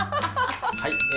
はい。